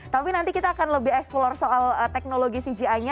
tapi nanti kita akan lebih eksplore soal teknologi cgi nya